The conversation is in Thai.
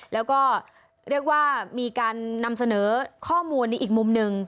แล้วก็เรียกว่ามีการนำเสนอข้อมูลในอีกมุมหนึ่ง